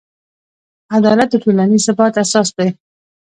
عدالت د ټولنیز ثبات اساس دی.